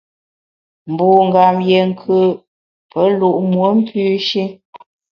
Mbungam yié nkù’, pe lu’ muom pü shi.